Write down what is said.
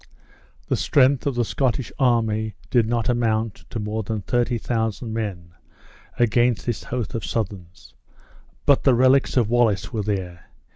The strength of the Scottish army did not amount to more than thirty thousand men against this host of Southrons. But the relics of Wallace were there!